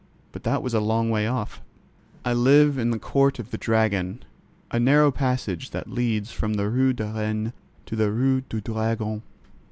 But that was a long way off. I live in the Court of the Dragon, a narrow passage that leads from the Rue de Rennes to the Rue du Dragon.